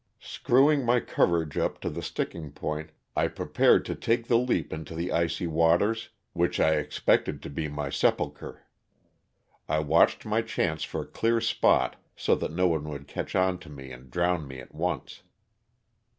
Screwing my courage up to the sticking point I prepared to take the leap into the icy waters which I expected to be my sepulchre. I watched my chance for a clear spot so that no one would catch onto me and drown me at once.